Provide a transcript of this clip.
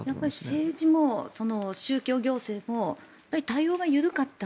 政治も宗教行政も対応が緩かった。